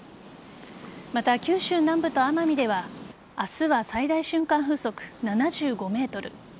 また、九州南部と奄美では明日は最大瞬間風速７５メートル